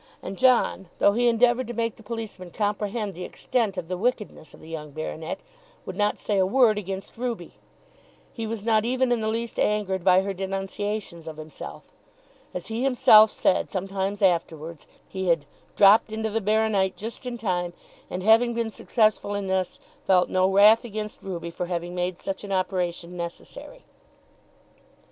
And John, though he endeavoured to make the policemen comprehend the extent of the wickedness of the young baronet, would not say a word against Ruby. He was not even in the least angered by her denunciations of himself. As he himself said sometimes afterwards, he had "dropped into the baro nite" just in time, and, having been successful in this, felt no wrath against Ruby for having made such an operation necessary.